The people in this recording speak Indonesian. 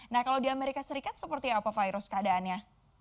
nah kalau di amerika serikat seperti apa virus keadaannya